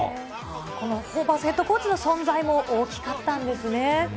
このホーバスヘッドコーチの存在も大きかったんですね。